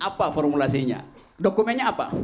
apa formulasinya dokumennya apa